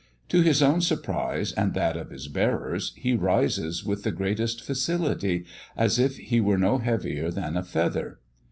To his own surprise, and that of his bearers, he rises with the greatest facility, as if he were no heavier than a feather!